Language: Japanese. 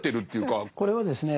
これはですね